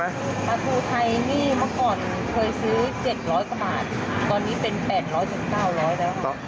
ประทูไทยเมื่อก่อนเคยซื้อ๗๐๐กระบาทตอนนี้เป็น๘๐๐๙๐๐บาทแล้วครับ